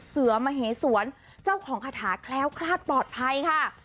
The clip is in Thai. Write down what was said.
เสือมเหสวนเจ้าของคาถาแคล้วคลาดปลอดภัยค่ะ